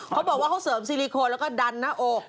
เขาบอกว่าเขาเสริมซิลิโคนแล้วก็ดันหน้าอก